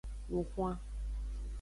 Lun hwan.